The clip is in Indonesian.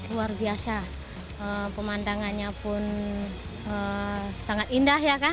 luar biasa pemandangannya pun sangat indah ya kan